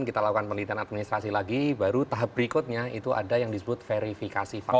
kita lakukan penelitian administrasi lagi baru tahap berikutnya itu ada yang disebut verifikasi faktual